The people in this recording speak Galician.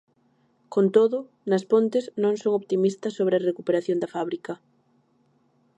Con todo, nas Pontes non son optimistas sobre a recuperación da fábrica.